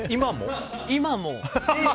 今も。